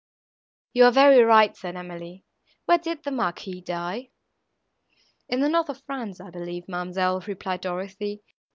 "You are very right," said Emily;—"where did the Marquis die?"—"In the north of France, I believe, ma'amselle," replied Dorothée.